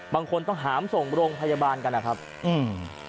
บางคนต้องหามส่งโรงพยาบาลกันนะครับอืม